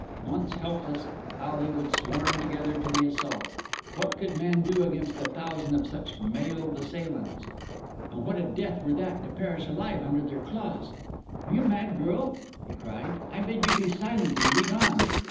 Once helpless, how they would swarm together to the assault! What could man do against a thousand of such mailed assailants? And what a death were that, to perish alive under their claws.' 'Are you mad, girl?' he cried. 'I bid you be silent and lead on.